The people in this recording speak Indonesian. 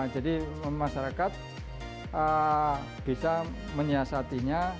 jadi masyarakat bisa menyiasatinya